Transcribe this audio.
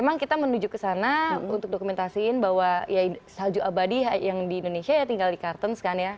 emang kita menuju kesana untuk dokumentasiin bahwa salju abadi yang di indonesia ya tinggal di kartens kan ya